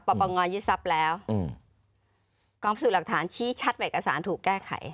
ปรบประงวลยึดทรัพย์แล้วอืมกองสูตรหลักฐานชี้ชัดไว้กับสารถูกแก้ไข